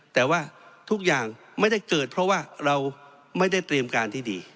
แต่ว่าทุกอย่างไม่ได้เกิดเพราะว่าเราไม่ได้เตรียมการที่ดี